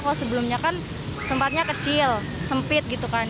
kalau sebelumnya kan sempatnya kecil sempit gitu kan